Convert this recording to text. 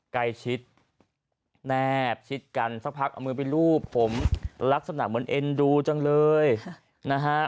ใกล้ชิดแนบชิดกันสักพักเอามือไปรูปผมลักษณะเหมือนเอ็นดูจังเลยนะฮะ